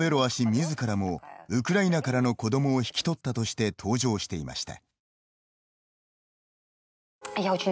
みずからもウクライナからの子どもを引き取ったとして登場していました。